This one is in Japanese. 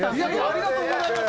ありがとうございます